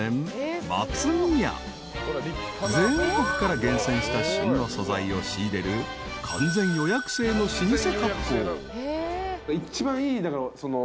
［全国から厳選した旬の素材を仕入れる完全予約制の老舗割烹］